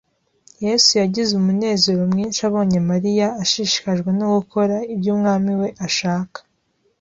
Yesu yagize umunezero mwinshi abonye Mariya ashishikajwe no gukora ibyo Umwami we ashaka.